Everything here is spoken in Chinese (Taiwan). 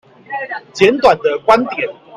簡短的觀點